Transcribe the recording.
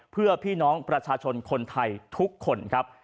เพื่อพี่น้องประชาชนคนไทยทุกคนครับ